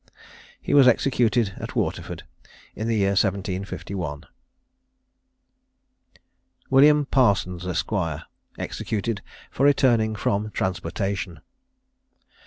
He was executed at Waterford in the year 1751. WILLIAM PARSONS, ESQ. EXECUTED FOR RETURNING FROM TRANSPORTATION.